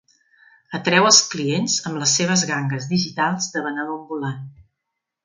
Atreu els clients amb les seves gangues digitals de venedor ambulant.